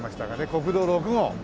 国道６号。